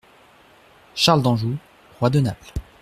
- Charles d'Anjou, roi de Naples.